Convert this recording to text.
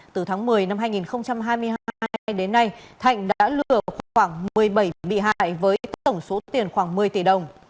từ tháng một mươi năm hai nghìn hai mươi hai đến nay thạnh đã lừa khoảng một mươi bảy bị hại với tổng số tiền khoảng một mươi tỷ đồng